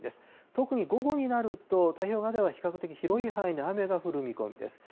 特に午後になると、太平洋側では比較的広い範囲で雨が降る見込みです。